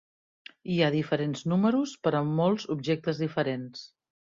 Hi ha diferents números per a molts objectes diferents.